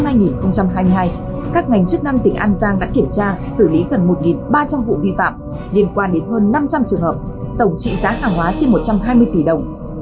các ngành chức năng tỉnh an giang đã kiểm tra xử lý gần một ba trăm linh vụ vi phạm liên quan đến hơn năm trăm linh trường hợp tổng trị giá hàng hóa trên một trăm hai mươi tỷ đồng